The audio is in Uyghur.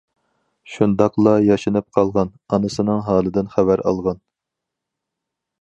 شۇنداقلا ياشىنىپ قالغان ئانىسىنىڭ ھالىدىن خەۋەر ئالغان.